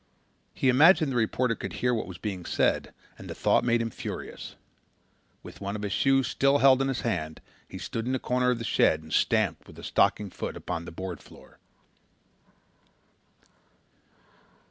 He imagined the reporter could hear what was being said and the thought made him furious. With one of the shoes still held in his hand he stood in a corner of the shed and stamped with a stockinged foot upon the board floor.